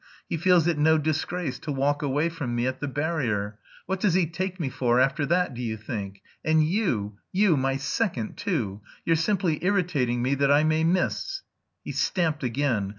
He feels it no disgrace to walk away from me at the barrier! What does he take me for, after that, do you think?... And you, you, my second, too! You're simply irritating me that I may miss." He stamped again.